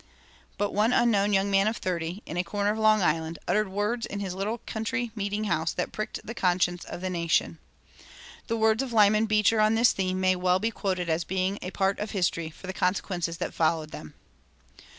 But one unknown young man of thirty, in a corner of Long Island, uttered words in his little country meeting house that pricked the conscience of the nation. The words of Lyman Beecher on this theme may well be quoted as being a part of history, for the consequences that followed them.